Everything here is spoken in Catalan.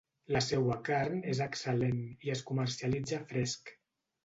La seua carn és excel·lent i es comercialitza fresc.